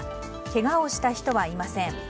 けがをした人はいません。